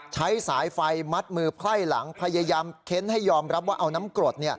ใช้สายไฟมัดมือไพ่หลังพยายามเค้นให้ยอมรับว่าเอาน้ำกรด